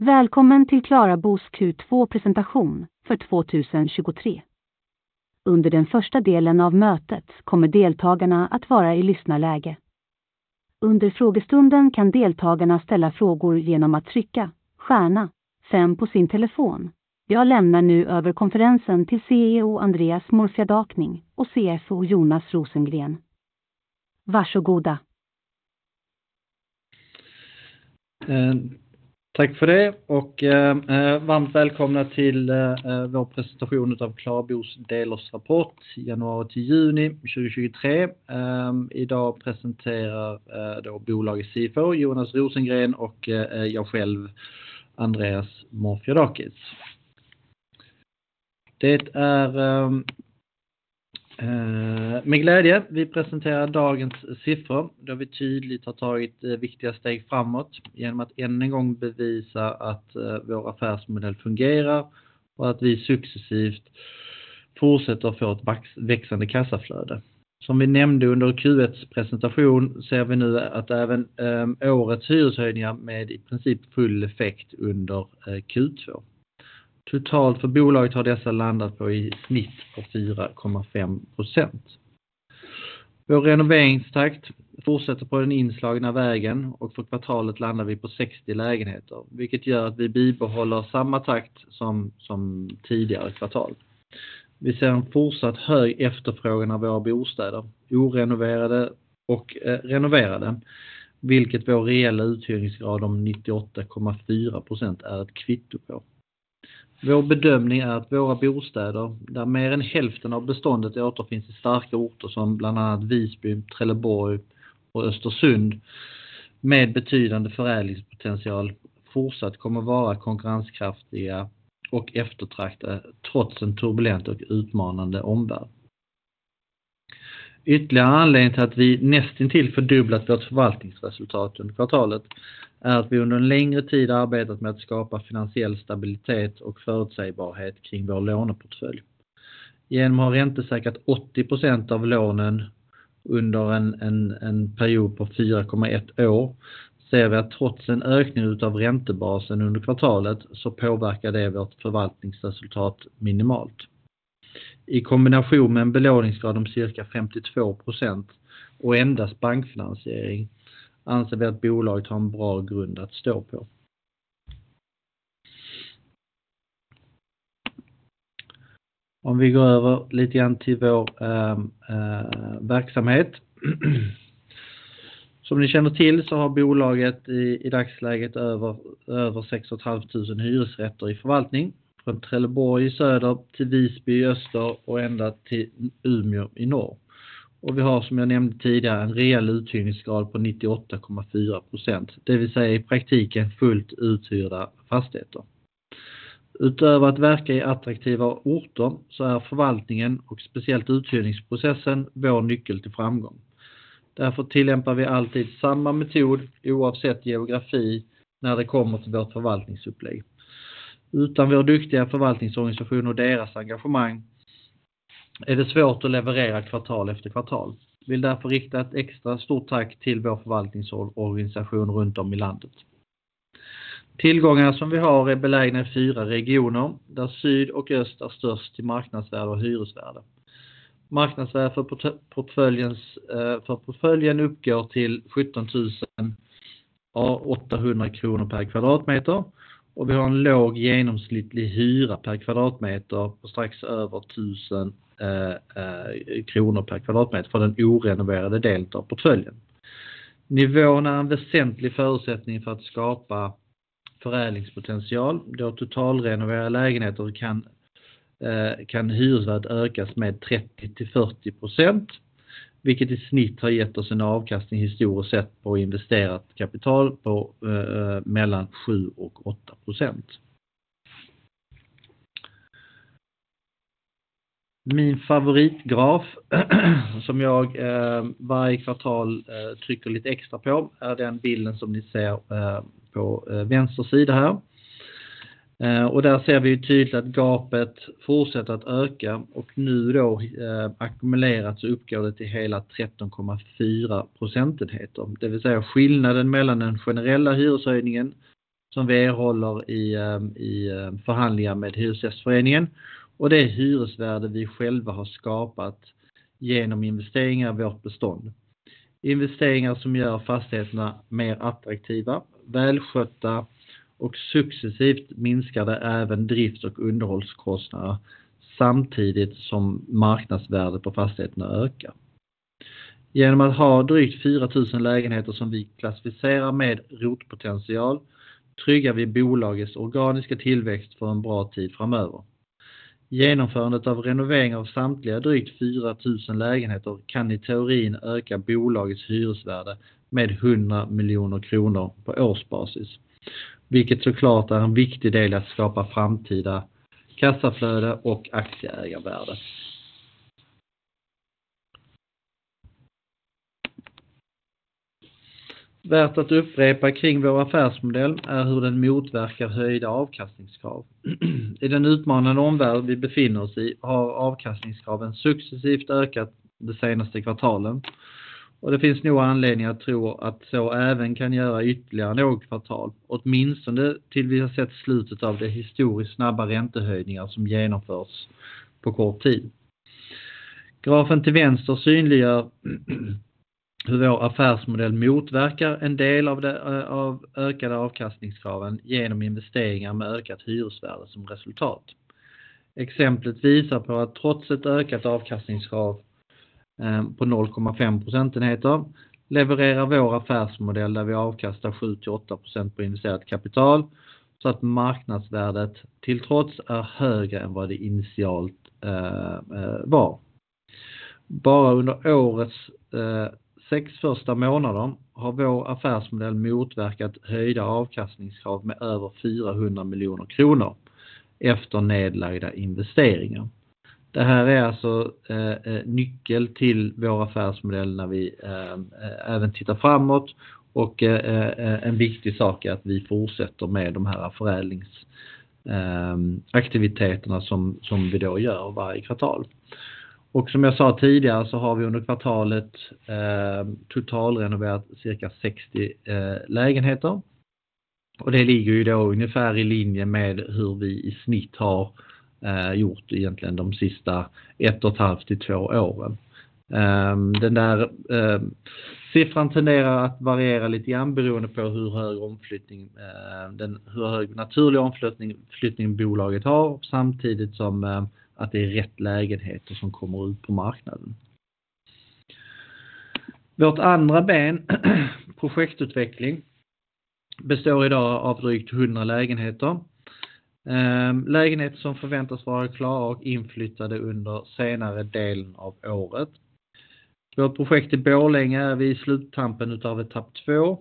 Välkommen till Klara Bos Q2-presentation för 2023. Under den första delen av mötet kommer deltagarna att vara i lyssnarläge. Under frågestunden kan deltagarna ställa frågor igenom att trycka stjärna 5 på sin telefon. Jag lämnar nu över konferensen till CEO Andreas Morfiadakis och CFO Jonas Rosengren. Varsågoda! Tack för det och varmt välkomna till vår presentation utav KlaraBo's delårsrapport, januari till juni 2023. Idag presenterar då bolagets CFO Jonas Rosengren och jag själv, Andreas Morfiadakis. Med glädje vi presenterar dagens siffror, då vi tydligt har tagit viktiga steg framåt igenom att än en gång bevisa att vår affärsmodell fungerar och att vi successivt fortsätter att få ett växande kassaflöde. Som vi nämnde under Q1's presentation ser vi nu att även årets hyreshöjningar med i princip full effekt under Q2. Totalt för bolaget har dessa landat på i snitt på 4.5%. Vår renoveringstakt fortsätter på den inslagna vägen och för kvartalet landar vi på 60 lägenheter, vilket gör att vi bibehåller samma takt som tidigare kvartal. Vi ser en fortsatt hög efterfrågan av våra bostäder, orenoverade och renoverade, vilket vår reella uthyrningsgrad om 98.4% är ett kvitto på. Vår bedömning är att våra bostäder, där mer än hälften av beståndet återfinns i starka orter som bland annat Visby, Trelleborg och Östersund, med betydande förädlingspotential, fortsatt kommer vara konkurrenskraftiga och eftertraktade trots en turbulent och utmanande omvärld. Ytterligare anledning till att vi nästintill fördubblat vårt förvaltningsresultat under kvartalet är att vi under en längre tid arbetat med att skapa finansiell stabilitet och förutsägbarhet kring vår låneportfölj. Genom att ha räntesäkrat 80% av lånen under en period på 4.1 år, ser vi att trots en ökning utav räntebasen under kvartalet, så påverkar det vårt förvaltningsresultat minimalt. I kombination med en belåningsgrad om cirka 52% och endast bankfinansiering, anser vi att bolaget har en bra grund att stå på. Om vi går över lite grann till vår verksamhet. Som ni känner till så har bolaget i dagsläget över 6,500 hyresrätter i förvaltning, från Trelleborg i söder till Visby i öster och ända till Umeå i norr. Vi har, som jag nämnde tidigare, en reell uthyrningsgrad på 98.4%, det vill säga i praktiken fullt uthyrda fastigheter. Utöver att verka i attraktiva orter, så är förvaltningen och speciellt uthyrningsprocessen vår nyckel till framgång. Vi tillämpar alltid samma metod, oavsett geografi, när det kommer till vårt förvaltningsupplägg. Utan vår duktiga förvaltningsorganisation och deras engagemang är det svårt att leverera kvartal efter kvartal. Vill därför rikta ett extra stort tack till vår förvaltningsorganisation runtom i landet. Tillgångarna som vi har är belägna i 4 regioner, där syd och öst är störst i marknadsvärde och hyresvärde. Marknadsvärde för portföljen uppgår till 17,800 SEK per kvadratmeter och vi har en låg genomsnittlig hyra per kvadratmeter på strax över 1,000 kronor per kvadratmeter för den orenoverade delen av portföljen. Nivån är en väsentlig förutsättning för att skapa förädlingspotential. Totalrenoverar lägenheter kan hyresvärde ökas med 30%-40%, vilket i snitt har gett oss en avkastning historiskt sett på investerat kapital på mellan 7%-8%. Min favoritgraf, som jag varje kvartal trycker lite extra på, är den bilden som ni ser på vänster sida här. Där ser vi tydligt att gapet fortsätter att öka och nu då ackumulerat så uppgår det till hela 13.4 procentenheter. Det vill säga skillnaden mellan den generella hyreshöjningen som vi erhåller i förhandlingar med Hyresgästföreningen och det hyresvärde vi själva har skapat igenom investeringar i vårt bestånd. Investeringar som gör fastigheterna mer attraktiva, välskötta och successivt minskar det även drifts- och underhållskostnader, samtidigt som marknadsvärdet på fastigheterna ökar. Genom att ha drygt 4,000 lägenheter som vi klassificerar med ROT-potential, tryggar vi bolagets organiska tillväxt för en bra tid framöver. Genomförandet av renovering av samtliga drygt 4,000 lägenheter kan i teorin öka bolagets hyresvärde med 100 million kronor på årsbasis, vilket så klart är en viktig del i att skapa framtida kassaflöde och aktieägarvärde. Värt att upprepa kring vår affärsmodell är hur den motverkar höjda avkastningskrav. I den utmanande omvärld vi befinner oss i har avkastningskraven successivt ökat det senaste kvartalen. Det finns nog anledning att tro att så även kan göra ytterligare något kvartal, åtminstone till vi har sett slutet av det historiskt snabba räntehöjningar som genomförs på kort tid. Grafen till vänster synliggör hur vår affärsmodell motverkar en del av det, av ökade avkastningskraven igenom investeringar med ökat hyresvärde som resultat. Exemplet visar på att trots ett ökat avkastningskrav på 0.5 percentage points, levererar vår affärsmodell, där vi avkastar 78% på indicerat kapital, så att marknadsvärdet till trots är högre än vad det initialt var. Bara under årets 6 first months har vår affärsmodell motverkat höjda avkastningskrav med över 400 million kronor efter nedlagda investeringar. Det här är alltså nyckel till vår affärsmodell när vi även tittar framåt och en viktig sak är att vi fortsätter med de här aktiviteterna som vi då gör varje kvartal. Som jag sa tidigare så har vi under kvartalet totalrenoverat cirka 60 apartments. Det ligger ju då ungefär i linje med hur vi i snitt har gjort egentligen de sista 1.5-2 åren. Den där siffran tenderar att variera lite grann, beroende på hur hög omflyttning, hur hög naturlig omflyttning bolaget har, samtidigt som att det är rätt lägenheter som kommer ut på marknaden. Vårt andra ben, projektutveckling, består i dag av drygt 100 lägenheter. Lägenheter som förväntas vara klara och inflyttade under senare delen av året. Vårt projekt i Borlänge är vi i sluttampen utav etapp two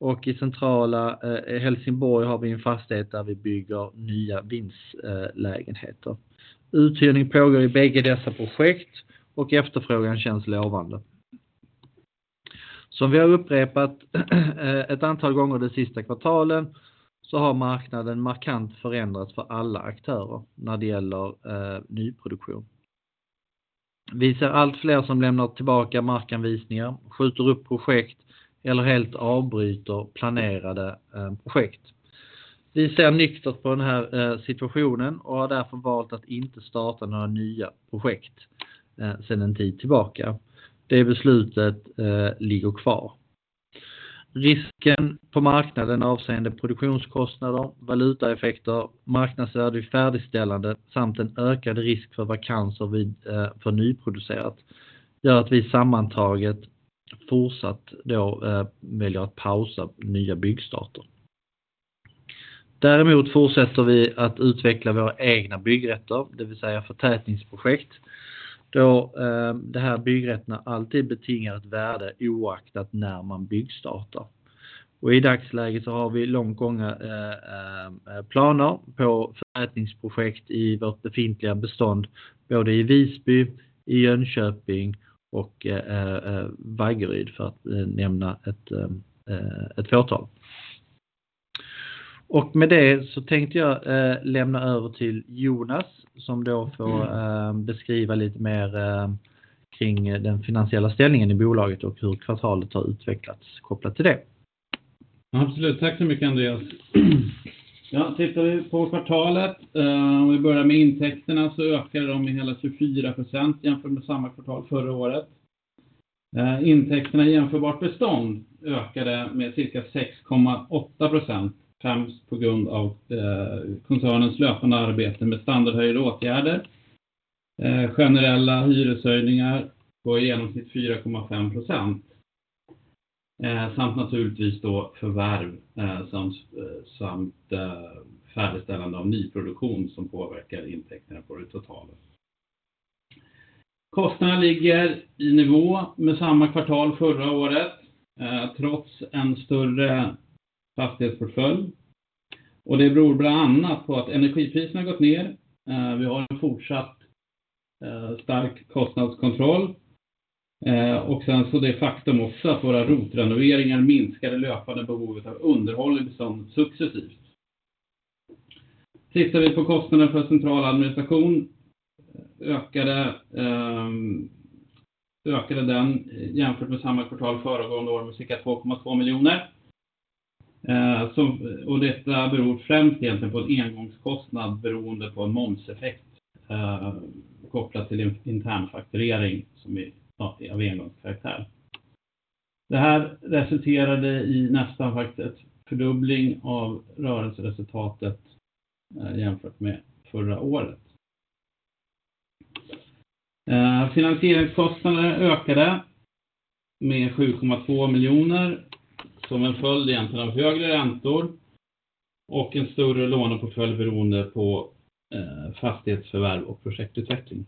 och i centrala Helsingborg har vi en fastighet där vi bygger nya vindslägenheter. Uthyrning pågår i bägge dessa projekt. Efterfrågan känns lovande. Som vi har upprepat ett antal gånger de sista kvartalen, har marknaden markant förändrats för alla aktörer när det gäller nyproduktion. Vi ser allt fler som lämnar tillbaka markanvisningar, skjuter upp projekt eller helt avbryter planerade projekt. Vi ser nyktert på den här situationen och har därför valt att inte starta några nya projekt sedan en tid tillbaka. Det beslutet ligger kvar. Risken på marknaden avseende produktionskostnader, valutaeffekter, marknadsvärde vid färdigställande samt en ökad risk för vakanser vid för nyproducerat, gör att vi sammantaget fortsatt då väljer att pausa nya byggstarter. Däremot fortsätter vi att utveckla våra egna byggrätter, det vill säga förtätningsprojekt, då det här byggrätterna alltid betingar ett värde, oaktat när man byggstartar. I dagsläget så har vi långt gånget planer på förtätningsprojekt i vårt befintliga bestånd, både i Visby, i Jönköping och Vaggeryd, för att nämna ett fåtal. Med det så tänkte jag lämna över till Jonas, som då får beskriva lite mer kring den finansiella ställningen i bolaget och hur kvartalet har utvecklats kopplat till det. Absolut, tack så mycket, Andreas. Tittar vi på kvartalet, om vi börjar med intäkterna, ökar de i hela 24% jämfört med samma kvartal förra året. Intäkterna i jämförbart bestånd ökade med cirka 6.8%, främst på grund av koncernens löpande arbete med standardhöjda åtgärder. Generella hyreshöjningar på i genomsnitt 4.5%, samt naturligtvis då förvärv, samt färdigställande av nyproduktion som påverkar intäkterna på det totalt. Kostnaden ligger i nivå med samma kvartal förra året, trots en större fastighetsportfölj. Det beror bland annat på att energiprisen har gått ner. Vi har en fortsatt stark kostnadskontroll. Sen så det faktum också att våra ROT-renoveringar minskar det löpande behovet av underhåll successivt. Tittar vi på kostnaden för central administration, ökade den jämfört med samma kvartal föregående år med cirka 2.2 miljoner. Detta beror främst egentligen på en engångskostnad, beroende på en momseffekt, kopplat till en internfakturering, som är av engångskaraktär. Det här resulterade i nästan faktiskt en fördubbling av rörelseresultatet jämfört med förra året. Finansieringskostnader ökade med 7.2 million, som en följd egentligen av högre räntor och en större låneportfölj, beroende på fastighetsförvärv och projektutveckling.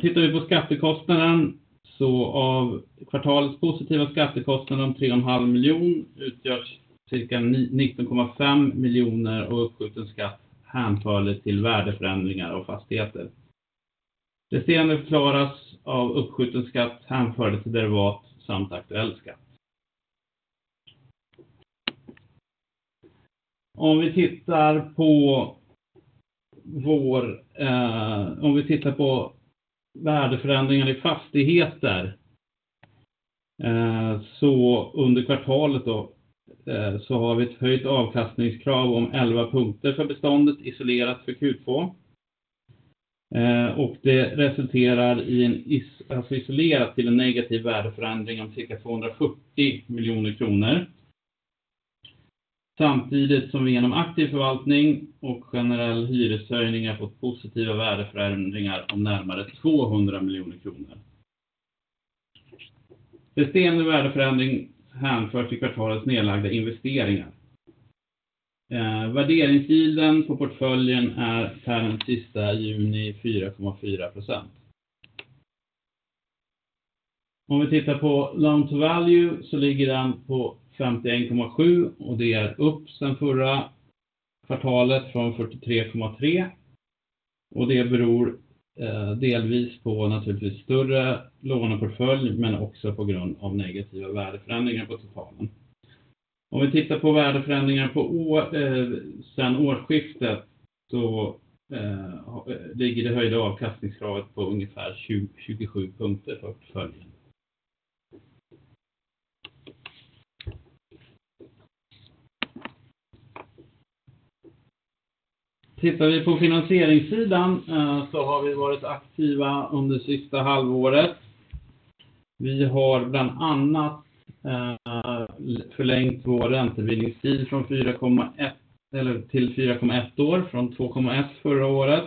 Tittar vi på skattekostnaden, av kvartalets positiva skattekostnader om 3.5 million, utgörs cirka 19.5 million och uppskjuten skatt, hänförlig till värdeförändringar av fastigheter. Det senare förklaras av uppskjuten skatt, hänförlig till derivat samt aktuell skatt. Om vi tittar på värdeförändringen i fastigheter, under kvartalet då, har vi ett höjt avkastningskrav om 11 punkter för beståndet, isolerat för Q2. Det resulterar i alltså isolerat till en negativ värdeförändring om cirka 240 million kronor. Samtidigt som vi igenom aktiv förvaltning och generell hyreshöjningar har fått positiva värdeförändringar om närmare SEK 200 million. Bestående värdeförändring hänförts till kvartalets nedlagda investeringar. Värderingssidan på portföljen är per den sista juni 4.4%. Vi tittar på loan to value så ligger den på 51.7 och det är upp sedan förra kvartalet från 43.3. Det beror delvis på naturligtvis större låneportfölj, men också på grund av negativa värdeförändringar på kvartalen. Vi tittar på värdeförändringar på sedan årsskiftet, då ligger det höjda avkastningskravet på ungefär 27 punkter för portföljen. Tittar vi på finansieringssidan, så har vi varit aktiva under sista halvåret. Vi har bland annat förlängt vår räntebindningstid från 4.1, eller till 4.1 years, från 2.1 förra året.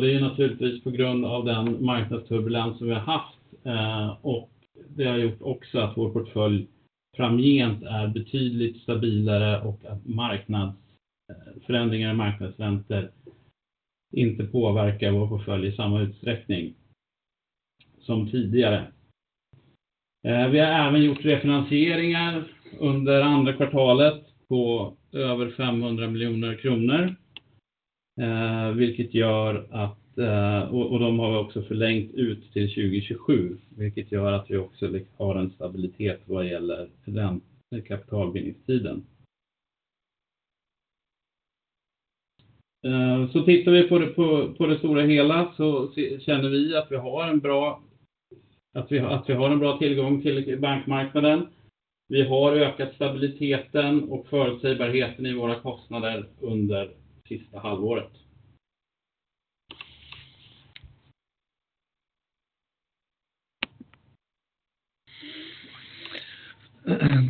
Det är naturligtvis på grund av den marknadsturbulens som vi har haft, och det har gjort också att vår portfölj framgent är betydligt stabilare och att marknadsförändringar i marknadsräntor inte påverkar vår portfölj i samma utsträckning som tidigare. Vi har även gjort refinansieringar under andra kvartalet på över SEK 500 million. De har vi också förlängt ut till 2027, vilket gör att vi också har en stabilitet vad gäller den kapitalbindningstiden. Känner vi att vi har en bra tillgång till bankmarknaden. Vi har ökat stabiliteten och förutsägbarheten i våra kostnader under sista halvåret.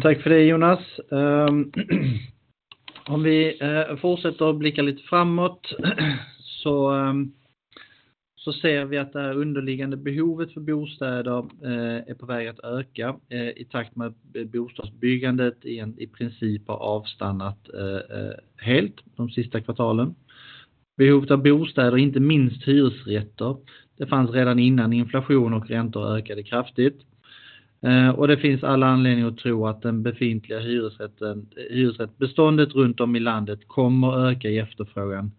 Tack för det, Jonas. Om vi fortsätter att blicka lite framåt, så ser vi att det underliggande behovet för bostäder är på väg att öka i takt med att bostadsbyggandet i en, i princip har avstannat helt de sista kvartalen. Behovet av bostäder, inte minst hyresrätter, det fanns redan innan inflation och räntor ökade kraftigt. Och det finns all anledning att tro att den befintliga hyresrätten, hyresrättbeståndet runt om i landet kommer öka i efterfrågan.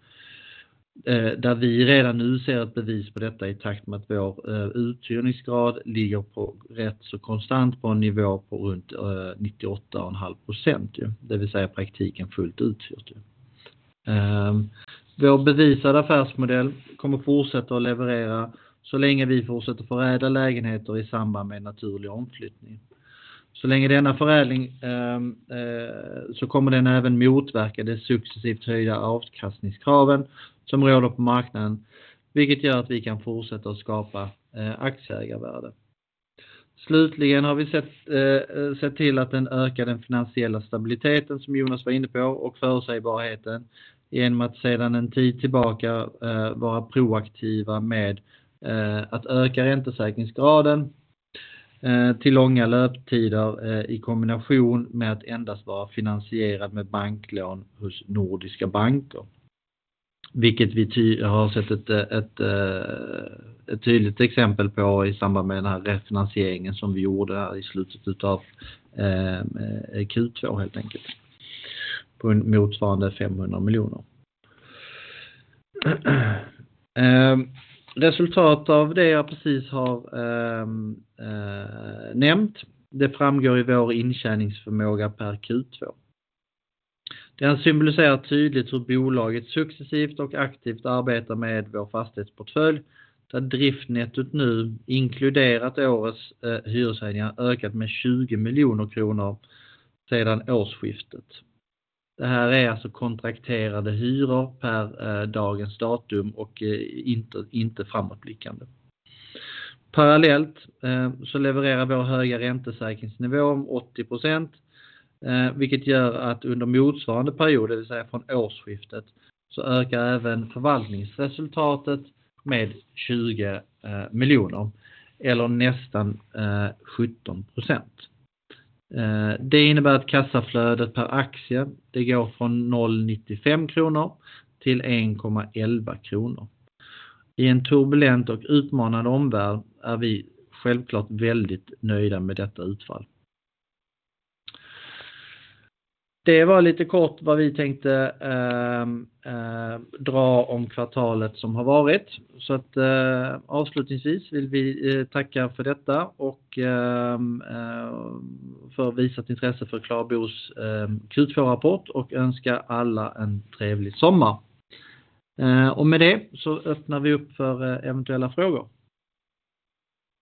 Där vi redan nu ser ett bevis på detta i takt med att vår uthyrningsgrad ligger på rätt så konstant på en nivå på runt 98.5% ju, det vill säga i praktiken fullt uthyrt ju. Vår bevisad affärsmodell kommer fortsätta att leverera så länge vi fortsätter förädla lägenheter i samband med en naturlig omflyttning. Länge denna förädling kommer den även motverka det successivt höja avkastningskraven som råder på marknaden, vilket gör att vi kan fortsätta att skapa aktieägarvärde. Slutligen har vi sett till att den ökar den finansiella stabiliteten, som Jonas var inne på, och förutsägbarheten igenom att sedan en tid tillbaka vara proaktiva med att öka räntesäkringsgraden till långa löptider i kombination med att endast vara finansierad med banklån hos nordiska banker. Vilket vi har sett ett tydligt exempel på i samband med den här refinansieringen som vi gjorde i slutet av Q2, helt enkelt, på en motsvarande 500 million. Resultat av det jag precis har nämnt, det framgår i vår intjäningsförmåga per Q2. Den symboliserar tydligt hur bolaget successivt och aktivt arbetar med vår fastighetsportfölj, där driftnettot nu inkluderat årets hyreshöjningar ökat med 20 million kronor sedan årsskiftet. Det här är alltså kontrakterade hyror per dagens datum och inte framåtblickande. Parallellt så levererar vår höga räntesäkringsnivå om 80%, vilket gör att under motsvarande period, det vill säga från årsskiftet, så ökar även förvaltningsresultatet med 20 million eller nästan 17%. Det innebär att kassaflödet per aktie, det går från 0.95 kronor till 1.11 kronor. I en turbulent och utmanad omvärld är vi självklart väldigt nöjda med detta utfall. Det var lite kort vad vi tänkte dra om kvartalet som har varit. Avslutningsvis vill vi tacka för detta och för visat intresse för KlaraBo's Q2-rapport och önska alla en trevlig sommar. Med det öppnar vi upp för eventuella frågor.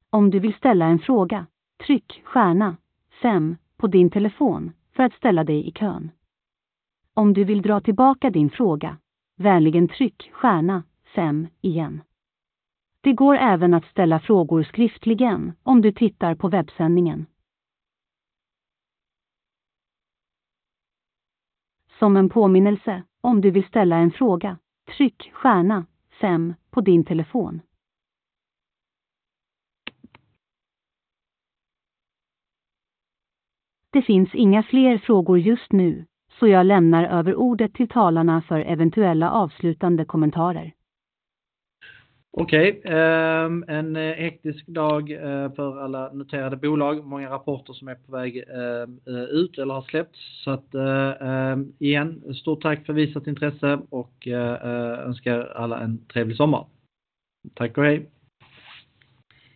Om du vill ställa en fråga, tryck star five på din telefon för att ställa dig i kön. Om du vill dra tillbaka din fråga, vänligen tryck star five igen. Det går även att ställa frågor skriftligen om du tittar på webbsändningen. Som en påminnelse, om du vill ställa en fråga, tryck star five på din telefon. Det finns inga fler frågor just nu, så jag lämnar över ordet till talarna för eventuella avslutande kommentarer. Okej, en hektisk dag för alla noterade bolag. Många rapporter som är på väg ut eller har släppts. Igen, stort tack för visat intresse och önska er alla en trevlig sommar. Tack och hej!